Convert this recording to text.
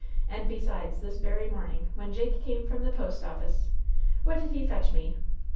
And besides, this very morn ing, when Jake came from the post office, what did he fetch me